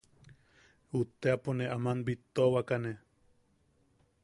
Utteʼapo nee aman bittuawakane.